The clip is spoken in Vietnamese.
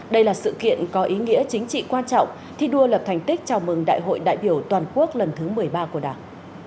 đây là sự kiện có ý nghĩa chính trị quan trọng thi đua lập thành tích chào mừng đại hội đại biểu toàn quốc lần thứ một mươi ba của đảng